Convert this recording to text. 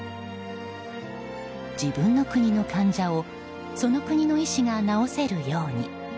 自分の国の患者をその国の医師が治せるように。